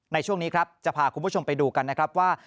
ในช่วงนี้ครับจะพาคุณผู้ชมไปดูกันนะครับว่า